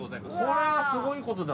これはすごいことだ！